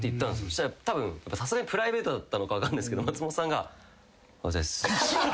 そしたらさすがにプライベートだったのか分かんないですけど松本さんが。